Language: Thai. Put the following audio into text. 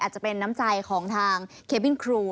อาจจะเป็นน้ำใจของทางเคบินครู